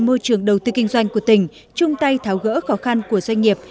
môi trường đầu tư kinh doanh của tỉnh chung tay tháo gỡ khó khăn của doanh nghiệp